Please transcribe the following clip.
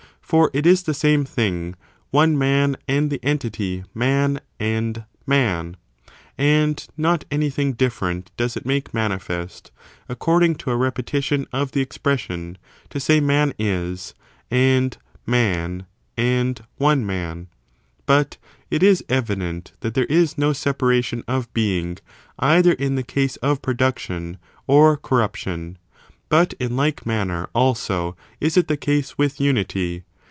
For it is the same thing, one man and the entity man and man; and not anything different does it make manifest, according to a repetition of the expression, to say man is, and man and one man : but it is evident that there is no separation of being either in the case of production or corruption. But in like manner, also, is it the case with unity.